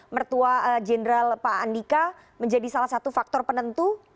mertua jenderal pak andika menjadi salah satu faktor penentu